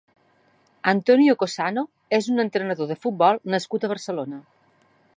Antonio Cosano és un entrenador de futbol nascut a Barcelona.